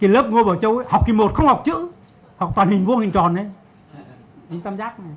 lớp ngôi bảo châu học kỳ một không học chữ học toàn hình vuông hình tròn tam giác